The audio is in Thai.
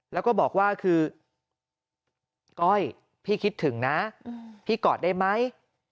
แล้วก็บอกว่าคือก้อยพี่คิดถึงนะพี่กอดได้ไหม